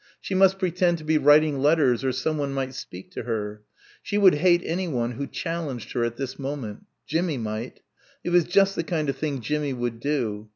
She must pretend to be writing letters or someone might speak to her. She would hate anyone who challenged her at this moment. Jimmie might. It was just the kind of thing Jimmie would do.